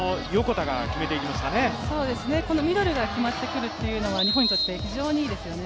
ミドルが決まってくるというのは、日本にとって非常にいいですよね。